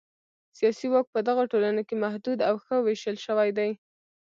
سیاسي واک په دغو ټولنو کې محدود او ښه وېشل شوی دی.